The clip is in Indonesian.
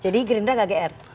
jadi gerindra gak gr